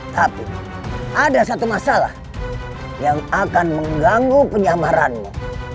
tapi ada satu masalah yang akan mengganggu penyamarannya